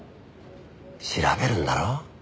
調べるんだろ？